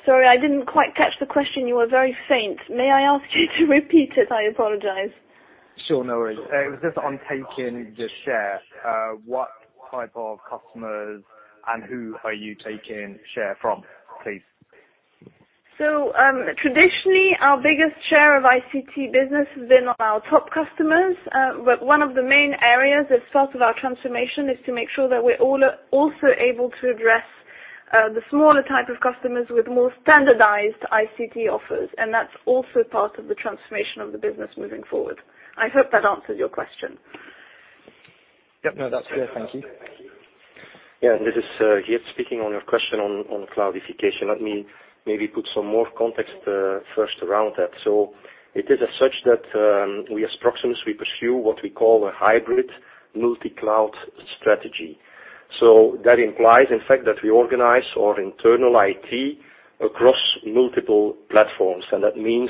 Sorry, I didn't quite catch the question. You were very faint. May I ask you to repeat it? I apologize. Sure, no worries. It was just on taking the share. What type of customers and who are you taking share from, please? Traditionally, our biggest share of ICT business has been our top customers. One of the main areas, as part of our transformation, is to make sure that we're also able to address the smaller type of customers with more standardized ICT offers. That's also part of the transformation of the business moving forward. I hope that answers your question. Yes. That's clear. Thank you. Yeah. This is Geert speaking. On your question on cloudification, let me maybe put some more context first around that. It is as such that we as Proximus, we pursue what we call a hybrid multi-cloud strategy. That implies, in fact, that we organize our internal IT across multiple platforms. That means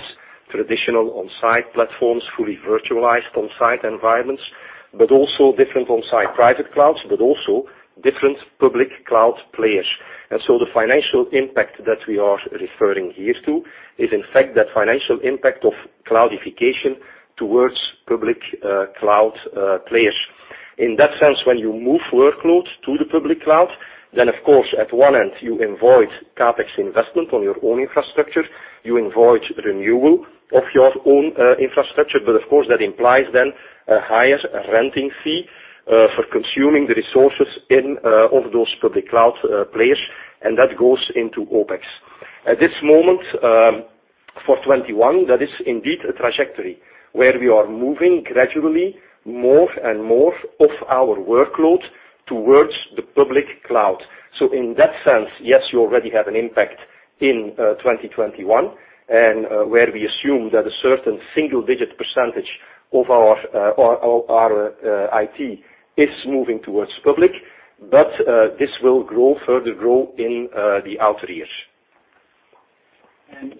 traditional on-site platforms, fully virtualized on-site environments, but also different on-site private clouds, but also different public cloud players. The financial impact that we are referring here to is in fact the financial impact of cloudification towards public cloud players. In that sense, when you move workloads to the public Public cloud, of course, at one end, you avoid CapEx investment on your own infrastructure. You avoid renewal of your own infrastructure. Of course, that implies then a higher renting fee for consuming the resources of those public cloud players, and that goes into OpEx. At this moment, for 2021, that is indeed a trajectory where we are moving gradually more and more of our workload towards the public cloud. In that sense, yes, you already have an impact in 2021, and where we assume that a certain single-digit percentage of our IT is moving towards public. This will further grow in the outer years.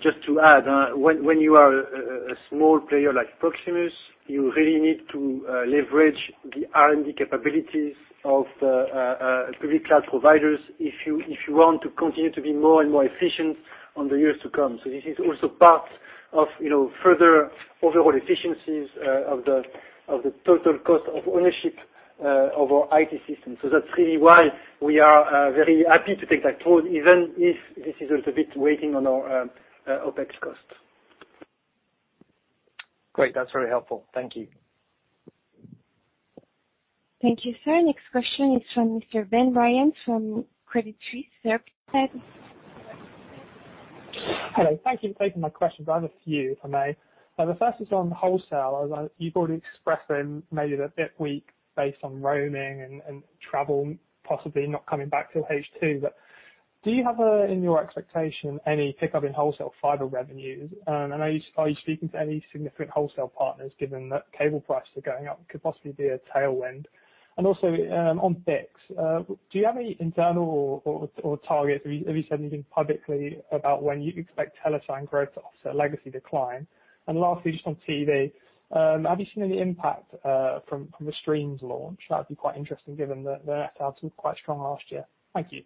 Just to add, when you are a small player like Proximus, you really need to leverage the R&D capabilities of the public cloud providers if you want to continue to be more and more efficient in the years to come. This is also part of further overall efficiencies of the total cost of ownership of our IT system. That's really why we are very happy to take that road, even if this is also a bit weighting on our OpEx costs. Great. That's very helpful. Thank you. Thank you, sir. Next question is from Mr. Ben Bryant from Credit Suisse. Sir, go ahead. Hello. Thank you for taking my questions. I have a few, if I may. The first is on wholesale. You've already expressed that it may be a bit weak based on roaming and travel, possibly not coming back till H2. Do you have, in your expectation, any pickup in wholesale fiber revenues? Are you speaking to any significant wholesale partners, given that cable prices are going up? It could possibly be a tailwind. Also, on BICS, do you have any internal or targets? Have you said anything publicly about when you expect TeleSign growth to offset legacy decline? Lastly, just on TV, have you seen any impact from the Streamz launch? That would be quite interesting given that the [AUDIO DISTORTION] was quite strong last year. Thank you.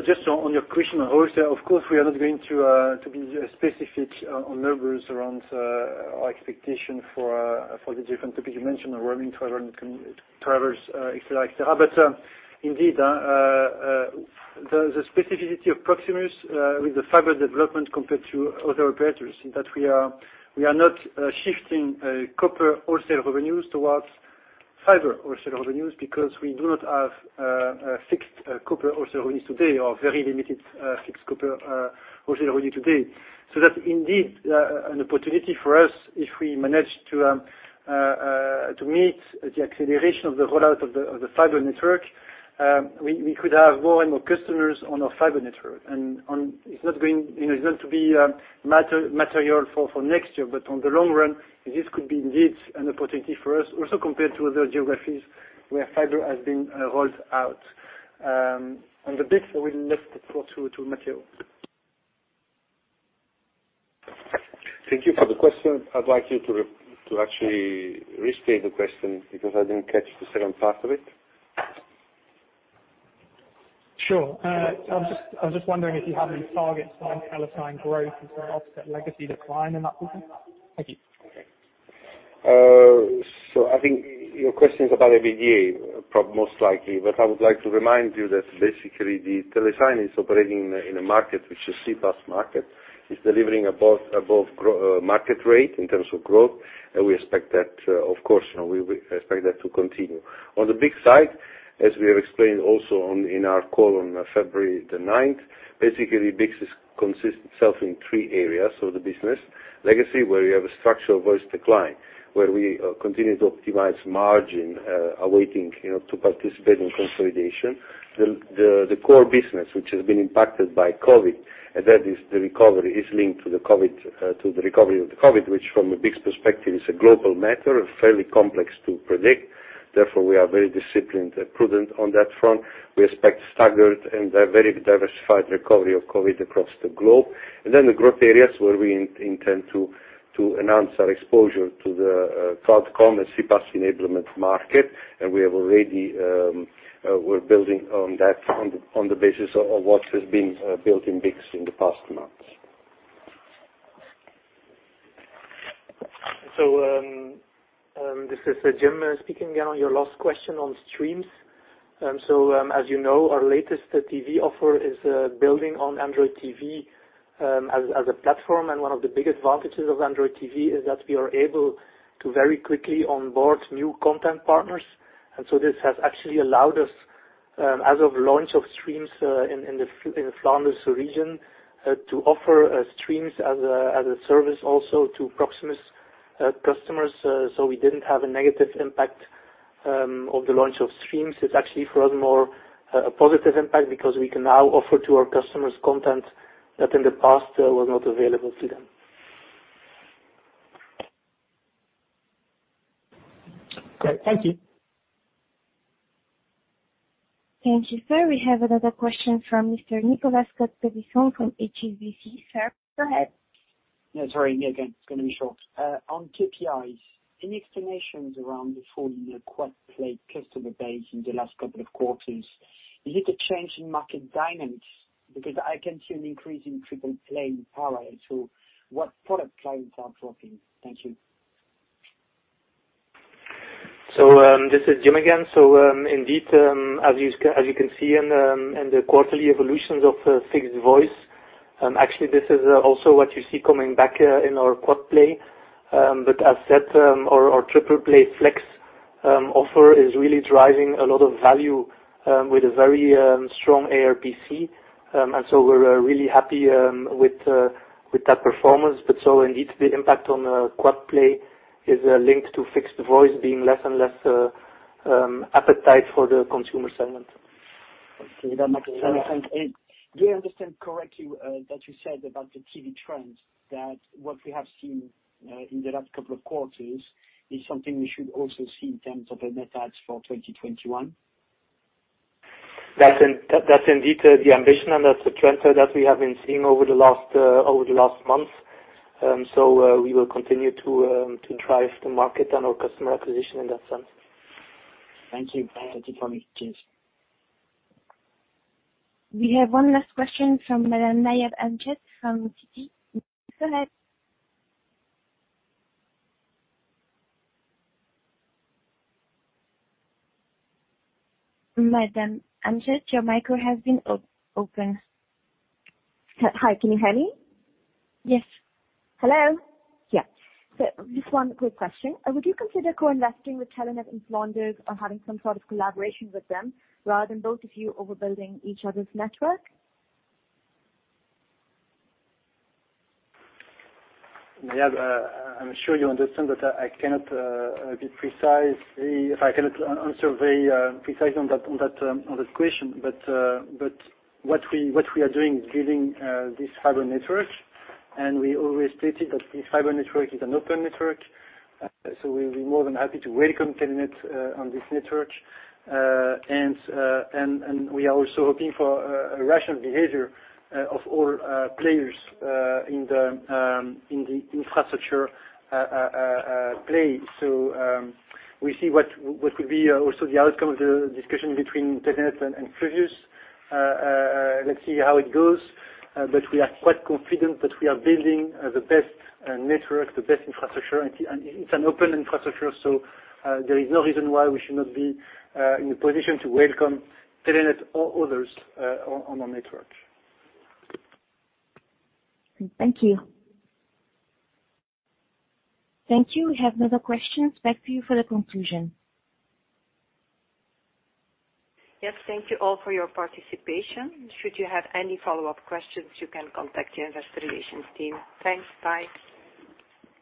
Just on your question on wholesale, of course, we are not going to be specific on numbers around our expectation for the different topics you mentioned, the roaming, travel, and et cetera. Indeed, the specificity of Proximus with the fiber development compared to other operators is that we are not shifting copper wholesale revenues towards fiber wholesale revenues because we do not have a fixed copper wholesale revenue today or very limited fixed copper wholesale revenue today. That's indeed an opportunity for us if we manage to meet the acceleration of the rollout of the fiber network. We could have more and more customers on our fiber network. It's not going to be material for next year. In the long run, this could be indeed an opportunity for us also compared to other geographies where fiber has been rolled out. On the BICS, I will leave the floor to Matteo. Thank you for the question. I'd like you to actually restate the question because I didn't catch the second part of it. Sure. I was just wondering if you have any targets on TeleSign growth to sort of offset legacy decline in that business. Thank you. I think your question is about EBITDA, most likely. I would like to remind you that basically, TeleSign is operating in a market which is CPaaS market. It's delivering above market rate in terms of growth. We expect that, of course, we expect that to continue. On the BICS side, as we have explained also in our call on February 9th, basically, BICS consists itself in three areas of the business. Legacy, where you have a structural voice decline, where we continue to optimize margin, awaiting to participate in consolidation. The core business, which has been impacted by COVID, and the recovery is linked to the recovery of the COVID, which from a BICS perspective is a global matter, fairly complex to predict. Therefore, we are very disciplined and prudent on that front. We expect staggered and very diversified recovery of COVID across the globe. The growth areas where we intend to announce our exposure to the cloud comm and CPaaS enablement market. We're building on the basis of what has been built in BICS in the past months. This is Jim speaking. On your last question on Streamz. As you know, our latest TV offer is building on Android TV as a platform. One of the big advantages of Android TV is that we are able to very quickly onboard new content partners. This has actually allowed us, as of launch of Streamz in the Flanders region, to offer Streamz as a service also to Proximus customers. We didn't have a negative impact of the launch of Streamz. It's actually for us more a positive impact because we can now offer to our customers content that in the past was not available to them. Great. Thank you. Thank you, sir. We have another question from Mr. Nicolas Cote-Colisson from HSBC. Sir, go ahead. Yeah, sorry. Me again. It's going to be short. On KPIs, any explanations around the fall in the quad play customer base in the last couple of quarters? Is it a change in market dynamics? I can see an increase in triple play parallel. What product clients are dropping? Thank you. This is Jim again. Indeed, as you can see in the quarterly evolutions of fixed voice, actually this is also what you see coming back in our quad play. As said, our triple play Flex offer is really driving a lot of value, with a very strong ARPC. We're really happy with that performance. Indeed, the impact on quad play is linked to fixed voice being less and less appetite for the consumer segment. Okay. That makes sense. Do I understand correctly that you said about the TV trends that what we have seen in the last couple of quarters is something we should also see in terms of the net adds for 2021? That's indeed the ambition and that's the trend that we have been seeing over the last months. We will continue to drive the market and our customer acquisition in that sense. Thank you. That's it for me. Cheers. We have one last question from Madame Nayab Amjad from Citi. Go ahead. Madame Amjad, your micro has been opened. Hi, can you hear me? Yes. Hello? Yeah. Just one quick question. Would you consider co-investing with Telenet and Flanders or having some sort of collaboration with them rather than both of you overbuilding each other's network? Nayab, I'm sure you understand that I cannot answer very precisely on that question. What we are doing is building this fiber network, and we always stated that this fiber network is an open network, so we'll be more than happy to welcome Telenet on this network. We are also hoping for a rational behavior of all players in the infrastructure play. We see what could be also the outcome of the discussion between Telenet and Flanders. Let's see how it goes. We are quite confident that we are building the best network, the best infrastructure. It's an open infrastructure, so there is no reason why we should not be in a position to welcome Telenet or others on our network. Thank you. Thank you. We have no other questions. Back to you for the conclusion. Yes, thank you all for your participation. Should you have any follow-up questions, you can contact the investor relations team. Thanks. Bye.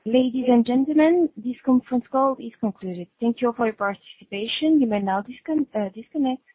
Ladies and gentlemen, this conference call is concluded. Thank you all for your participation. You may now disconnect.